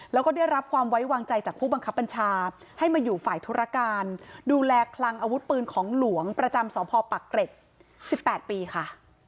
แล้วก็ได้รับความไว้วางใจจากผู้บังคับบัญชาให้มาอยู่ฝ่ายธุรการดูแลคลังอาวุธปืนของหลวงประจำสพปักเกร็ด๑๘ปีค่ะ